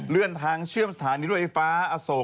เลื่อนทางเชื่อมสถานีรถไฟฟ้าอโศก